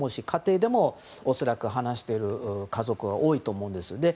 家庭でも恐らく話している家族が多いと思うんです。